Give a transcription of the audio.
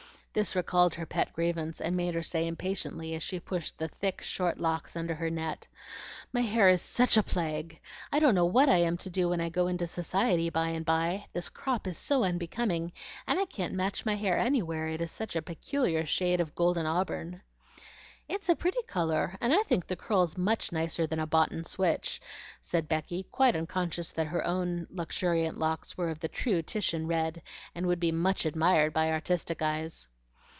This recalled her pet grievance, and made her say impatiently, as she pushed the thick short locks under her net, "My hair is SUCH a plague! I don't know what I am to do when I go into society by and by. This crop is so unbecoming, and I can't match my hair anywhere, it is such a peculiar shade of golden auburn." "It's a pretty color, and I think the curls much nicer than a boughten switch," said Becky, quite unconscious that her own luxuriant locks were of the true Titian red, and would be much admired by artistic eyes.